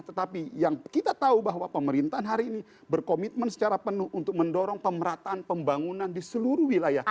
tetapi yang kita tahu bahwa pemerintahan hari ini berkomitmen secara penuh untuk mendorong pemerataan pembangunan di seluruh wilayah